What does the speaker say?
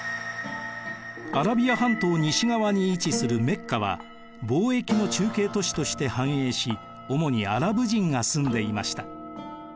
アラビア半島西側に位置するメッカは貿易の中継都市として繁栄し主にアラブ人が住んでいました。